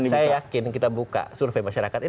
saya yakin kita buka survei masyarakat